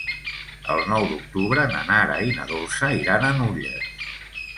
El nou d'octubre na Nara i na Dolça iran a Nulles.